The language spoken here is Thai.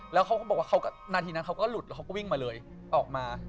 แล้วเขาก็บอกว่าเขาก็นาทีนั้นเขาก็หลุดแล้วเขาก็วิ่งมาเลยออกมา